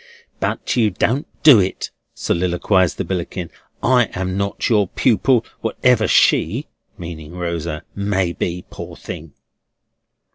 "But you don't do it," soliloquised the Billickin; "I am not your pupil, whatever she," meaning Rosa, "may be, poor thing!"